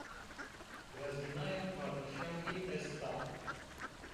Xezînaya padîşahî est a.